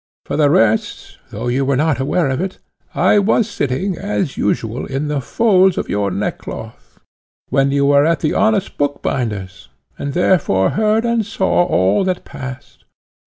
For the rest, though you were not aware of it, I was sitting, as usual, in the folds of your neckcloth, when you were at the honest bookbinder's, and therefore heard and saw all that passed.